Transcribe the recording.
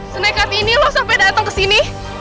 senekat ini lo sampai datang kesini